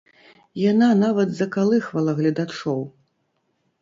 Яна нават закалыхвала гледачоў.